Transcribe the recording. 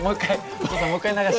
お父さんもう一回流して。